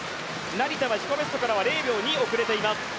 成田は自己ベストから０秒２遅れています。